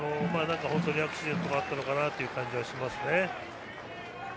本当にアクシデントがあったのかなという感じがしますね。